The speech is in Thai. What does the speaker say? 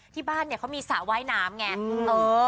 ที่บ้านเนี่ยเขามีสระว่ายน้ำไง